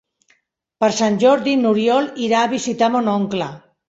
Per Sant Jordi n'Oriol irà a visitar mon oncle.